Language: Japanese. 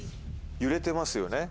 揺れてますよね。